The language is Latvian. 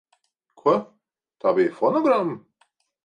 Ko? Tā bija fonogramma?